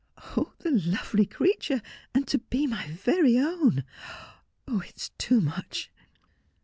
Oh the lovely creature ! and to be my very own ! It is too much.'